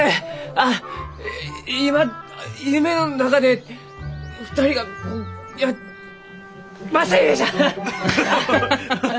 あっ今夢の中で２人がこう正夢じゃ！